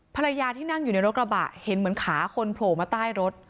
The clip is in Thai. ภรรยาที่นั่งอยู่ในรถกระบะเห็นเหมือนขาคนโผล่มาใต้รถ